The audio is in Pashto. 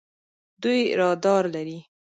دوی رادار لري.